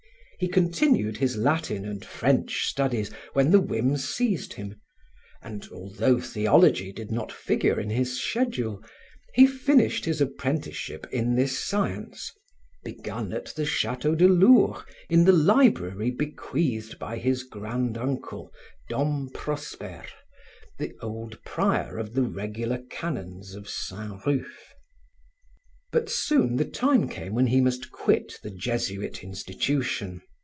He continued his Latin and French studies when the whim seized him and, although theology did not figure in his schedule, he finished his apprenticeship in this science, begun at the Chateau de Lourps, in the library bequeathed by his grand uncle, Dom Prosper, the old prior of the regular canons of Saint Ruf. But soon the time came when he must quit the Jesuit institution.